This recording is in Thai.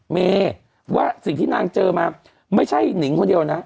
เมย์ว่าสิ่งที่นางเจอมาไม่ใช่หนิงคนเดียวนะ